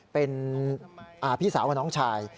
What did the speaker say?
เป็นพี่สาวกับน้องชาย